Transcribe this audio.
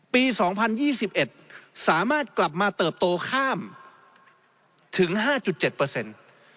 ปี๒๐๒๑สามารถกลับมาเติบโตข้ามถึง๕๗เปอร์เซ็นต์